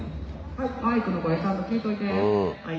マイクの声ちゃんと聞いといて。